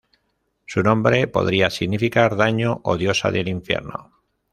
Su nombre podría significar "daño" o "diosa del infierno".